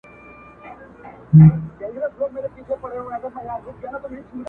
دا یوه شېبه مستي ده ما نظر نه کې رقیبه -